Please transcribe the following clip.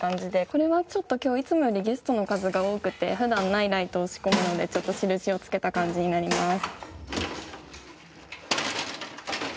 これはちょっと今日いつもよりゲストの数が多くて普段ないライトを仕込むのでちょっと印をつけた感じになります。